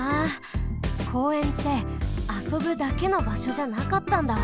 公園ってあそぶだけのばしょじゃなかったんだ。